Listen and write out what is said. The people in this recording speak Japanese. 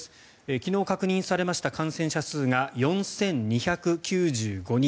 昨日確認された感染者数が４２９５人。